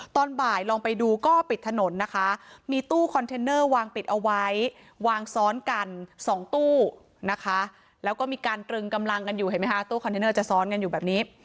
ตอนบ่ายลองไปดูก็ปิดถนนนะคะมีตู้คอนเทนเนอร์วางปิดเอาไว้วางซ้อนกันสองตู้นะคะแล้วก็มีการตรึงกำลังกันอยู่เห็นไหมคะตู้คอนเทนเนอร์จะซ้อนกันอยู่แบบนี้